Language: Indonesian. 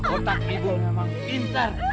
otak ibu memang pinter